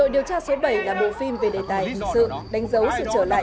đội điều tra số bảy là bộ phim về đề tài hình sự đánh dấu sự trở lại